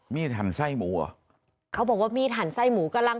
หันไส้หมูเหรอเขาบอกว่ามีดหันไส้หมูกำลัง